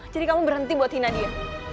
jadi kamu berhenti buat hina dia